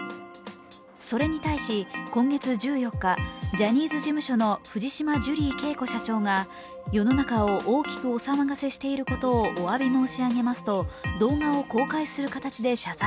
それに対し、今月１４日、ジャニーズ事務所の藤島ジュリー景子社長が世の中を大きくお騒がせしていることをおわび申し上げますと動画を公開する形で謝罪。